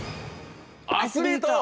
アスリート！